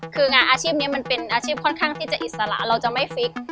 คืองานอาชีพนี้มันเป็นอาชีพค่อนข้างที่จะอิสระเราจะไม่ฟิก